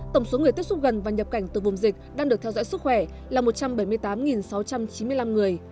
tổng số người tiếp xúc gần và nhập cảnh từ vùng dịch đang được theo dõi sức khỏe là một trăm bảy mươi tám sáu trăm chín mươi năm người